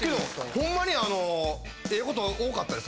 ホンマにあのええこと多かったです。